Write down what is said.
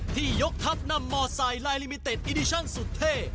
ที่ยกทัพนำมอไซค์ลายลิมิเต็ดอิดิชั่นสุดเท่